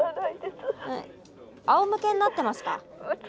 あおむけになってますか？